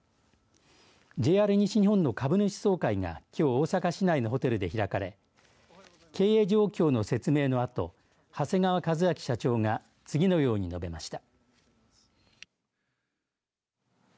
ＪＲ西日本の株主総会がきょう、大阪市内のホテルで開かれ経営状況の説明のあと長谷川一明社長が次のように述べました。